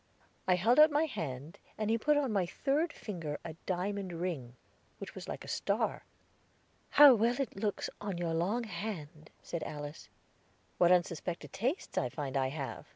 I held out my hand, and he put on my third finger a diamond ring, which was like a star. "How well it looks on your long hand!" said Alice. "What unsuspected tastes I find I have!"